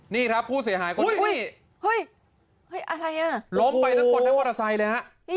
นี่ครับผู้เสียหายคนนี้เฮ้ยอะไรอ่ะล้มไปทั้งคนทั้งมอเตอร์ไซค์เลยฮะ